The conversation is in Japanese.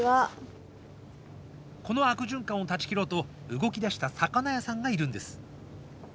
この悪循環を断ち切ろうと動きだした魚屋さんがいるんです。